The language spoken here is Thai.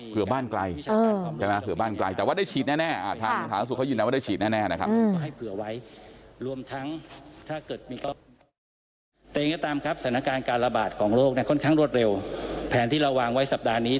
คือแปลว่าเราเองต่อให้ลงทะเบียนเรียบร้อยแล้วก็อย่าชะลาใจไม่ได้